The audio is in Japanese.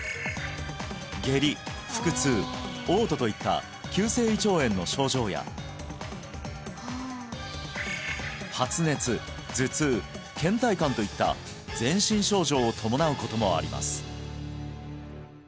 下痢腹痛嘔吐といった急性胃腸炎の症状や発熱頭痛倦怠感といった全身症状を伴うこともあります